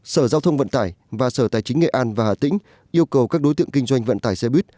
sở giao thông vận tải và sở tài chính nghệ an và hà tĩnh yêu cầu các đối tượng kinh doanh vận tải xe buýt